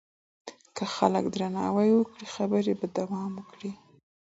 که خلک درناوی وکړي خبرې به دوام وکړي.